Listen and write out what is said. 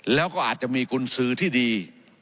แล้วก็อาจจะมีกุญสือที่ดี